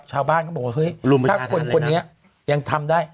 ชาวบ้านก็บอกว่าถ้าคนนี้ยังทำได้